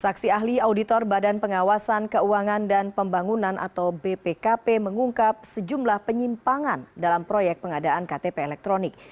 saksi ahli auditor badan pengawasan keuangan dan pembangunan atau bpkp mengungkap sejumlah penyimpangan dalam proyek pengadaan ktp elektronik